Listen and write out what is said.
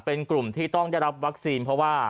เป็นกลุ่มที่ต้องได้รับวัคซีนเพราะว่า